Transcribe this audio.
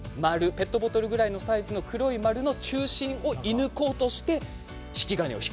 ペットボトルぐらいのサイズの黒い丸の中心を射抜こうとして引き金を引くということなんです。